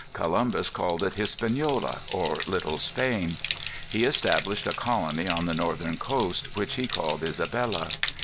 Columbus called it Hispaniola, or Little Spain. He established a colony on the northern coast, which he called Isabella.